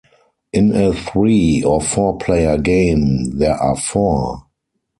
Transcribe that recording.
In a three- or four-player game, there are four.